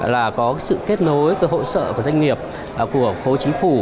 là có sự kết nối của hộ sở của doanh nghiệp và của khu chính phủ